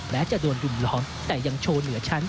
จะโดนรุมล้อมแต่ยังโชว์เหนือชั้น